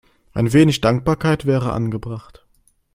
Ein wenig Dankbarkeit wäre angebracht.